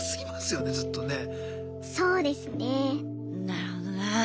なるほどな。